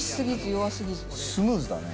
スムーズだね。